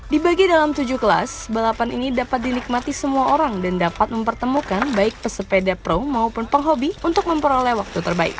dibagi dalam tujuh kelas balapan ini dapat dinikmati semua orang dan dapat mempertemukan baik pesepeda pro maupun penghobi untuk memperoleh waktu terbaik